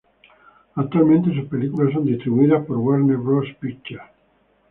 Actualmente, sus películas son distribuidas por Warner Bros Pictures.